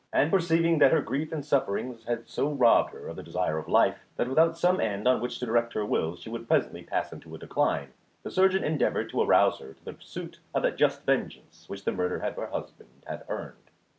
And perceiving that her grief and sufferings had so robbed her of the desire of life that without some end on which to direct her will she would presently pass into a decline, the surgeon endeavoured to arouse her to the pursuit of that just vengeance which the murder of her husband had earned.